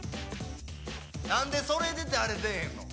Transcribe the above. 何でそれ出てあれ出えへんの？